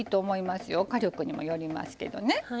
火力にもよりますけどね。